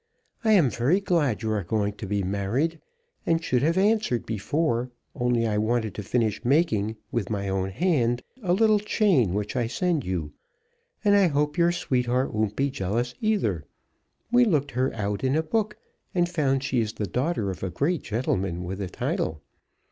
I am very glad you are going to be married, and should have answered before, only I wanted to finish making with my own hand a little chain which I send you. And I hope your sweetheart won't be jealous either. We looked her out in a book, and found she is the daughter of a great gentleman with a title.